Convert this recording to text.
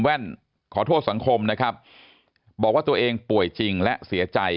แว่นขอโทษสังคมนะครับบอกว่าตัวเองป่วยจริงและเสียใจ